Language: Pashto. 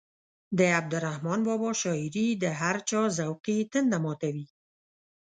د عبدالرحمان بابا شاعري د هر چا ذوقي تنده ماتوي.